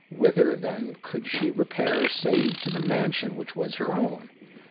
Whither, then, could she repair save to the mansion which was her own?